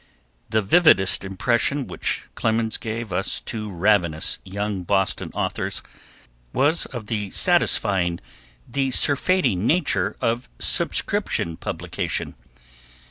The vividest impression which Clemens gave us two ravenous young Boston authors was of the satisfying, the surfeiting nature of subscription publication.